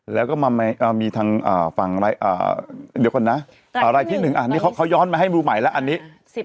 แล้วก็มีทางรายที่๑อันนี้เขาย้อนมาให้มือใหม่แล้วอันนี้